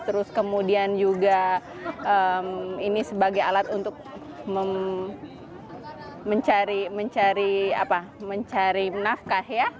terus kemudian juga ini sebagai alat untuk mencari nafkah ya